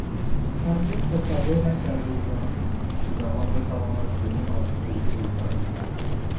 هرگز تصور نکرده بودم که زمان بتواند به این آهستگی بگذرد.